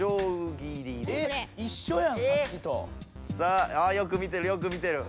さああよく見てるよく見てる。